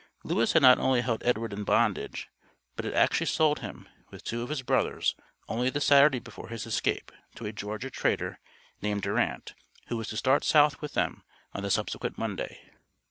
Lewis had not only held Edward in bondage, but had actually sold him, with two of his brothers, only the Saturday before his escape, to a Georgia trader, named Durant, who was to start south with them on the subsequent Monday.